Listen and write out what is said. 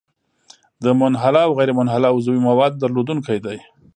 د منحله او غیرمنحله عضوي موادو درلودونکی دی.